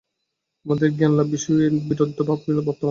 আমাদের জ্ঞানলাভ-বিষয়েও এই বিরুদ্ধভাব বর্তমান।